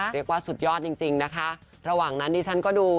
สุดยอดจริงจริงนะคะระหว่างนั้นดิฉันก็ดู